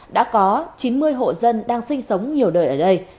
đã có chín mươi hộ dân đang sinh sống nhiều đời ở đây